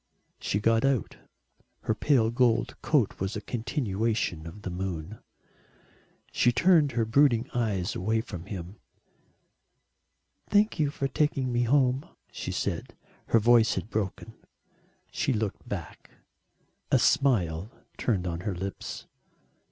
She got out. Her pale gold coat was a continuation of the moon. She turned her brooding eyes away from him. "Thank you for taking me home," she said; her voice had broken. She looked back a smile turned on to her lips.